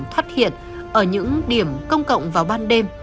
phát hiện ở những điểm công cộng vào ban đêm